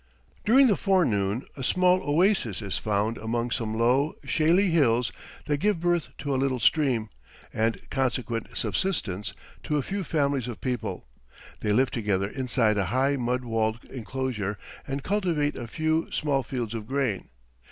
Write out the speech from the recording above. During the forenoon a small oasis is found among some low, shaly hills that give birth to a little stream, and consequent subsistence, to a few families of people; they live together inside a high mud walled enclosure and cultivate a few small fields of grain.